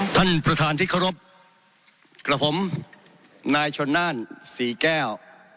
ท่านประธานที่เคารพกับผมนายชนน่านศรีแก้ว